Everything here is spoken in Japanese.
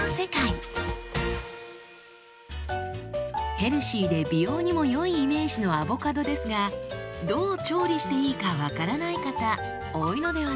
ヘルシーで美容にも良いイメージのアボカドですがどう調理していいか分からない方多いのではないでしょうか？